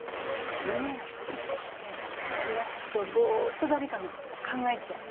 胸がドキドキして気が付くとボーッと誰かのことを考えちゃう。